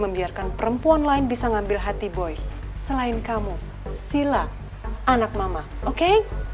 membiarkan perempuan lain bisa ngambil hati boy selain kamu sila anak mama oke